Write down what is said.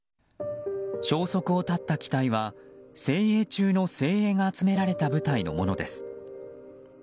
消息を絶った機体は精鋭中の精鋭が集められた部隊のものです。